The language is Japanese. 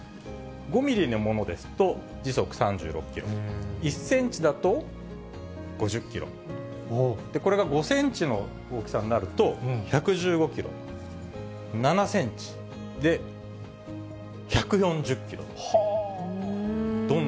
５ミリのものですと時速３６キロ、１センチだと５０キロ、これが５センチの大きさになると１１５キロ、７センチで１４０キロ。